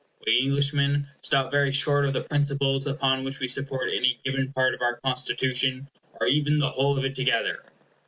We Englishmen stop very short of the principles upon which we support any given part of our Constitution, or even the whole of it together.